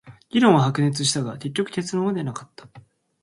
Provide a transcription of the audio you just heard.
議論は白熱したが、結局結論は出なかった。